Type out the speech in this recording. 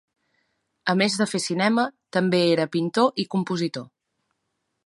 A més de fer cinema, també era pintor i compositor.